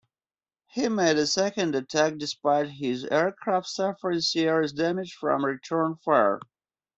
He made a second attack despite his aircraft suffering serious damage from return fire.